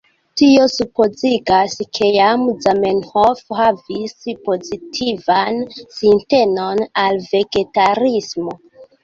Tio supozigas, ke jam Zamenhof havis pozitivan sintenon al vegetarismo.